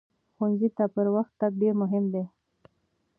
ښوونځي ته پر وخت تګ ډېر مهم دی.